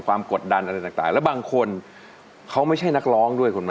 กดดันอะไรต่างแล้วบางคนเขาไม่ใช่นักร้องด้วยคุณไหม